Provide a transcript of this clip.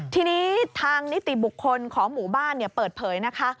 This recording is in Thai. ทีนี้ทางนิติบุคคลของหมู่บ้านเปิดเผยนะคะ